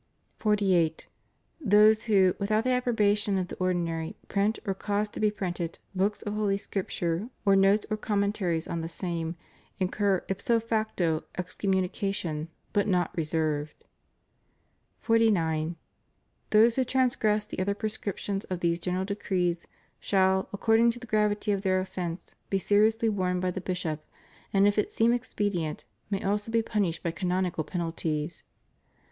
THE PROHIBITION AND CENSORSHIP OF BOOKS. 421 48. Those who, without the approbation of the or dinary, print, or cause to be printed, books of Holy Scrip ture, or notes or commentaries on the same, incur ipso facto excommunication, but not reserved. 49. Those who transgress the other prescriptions of these General Decrees shall, according to the gravity of their offence, be seriously warned by the bishop, and, if it seem expedient, may also be punished by canonical pen alties.